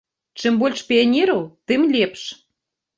Чым больш піянераў, тым лепш.